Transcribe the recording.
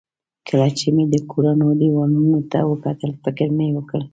کله چې مې د کورونو دېوالونو ته وکتل، فکر مې وکړ.